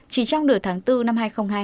chỉ trong nửa tháng bốn năm hai nghìn hai mươi